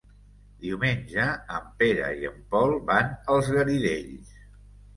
Diumenge en Pere i en Pol van als Garidells.